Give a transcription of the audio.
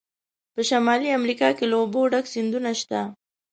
په شمالي امریکا کې له اوبو ډک سیندونه شته.